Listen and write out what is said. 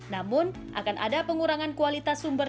namun akan ada pengurangan kualitas sumber